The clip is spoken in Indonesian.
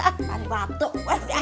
aku enggak mau teh manis